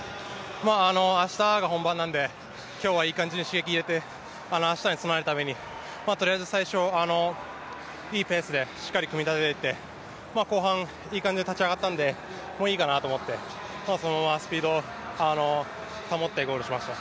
明日が本番なので、今日はいい感じで刺激を入れて明日につなげるために、とりあえず最初、いいペースでしっかり組み立てて、後半いい感じで立ち上がったんで、もういいかなと思ってそのままスピードを保ってゴールしました。